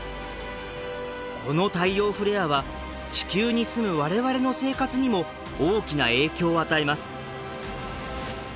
この太陽フレアは地球に住む我々の生活にも大きな影響を与えます。